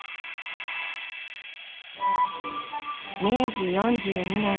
明治４２年。